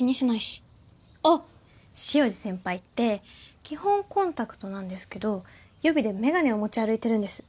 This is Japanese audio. あっ潮路先輩って基本コンタクトなんですけど予備で眼鏡を持ち歩いてるんです。